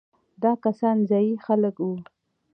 دا کسان ځايي خلک وو.